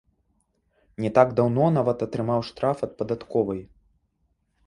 Не так даўно нават атрымаў штраф ад падатковай.